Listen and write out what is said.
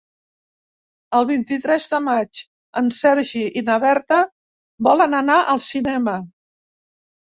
El vint-i-tres de maig en Sergi i na Berta volen anar al cinema.